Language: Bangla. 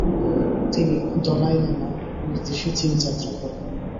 তিনি দলাই লামার নির্দেশে চীন যাত্রা করেন।